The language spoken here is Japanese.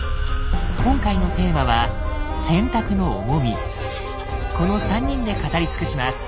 今回のテーマはこの３人で語り尽くします。